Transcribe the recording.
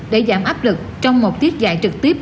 để giảm áp lực trong một tiết dạy trực tiếp